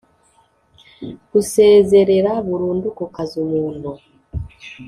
gusezerera burundu kukazi umuntu